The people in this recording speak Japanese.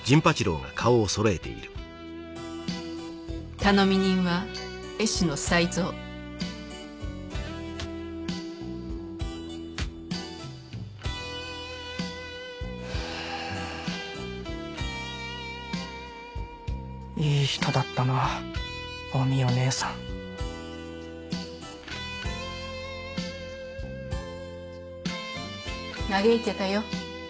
頼み人は絵師の才三いい人だったなお美代姐さん嘆いてたよ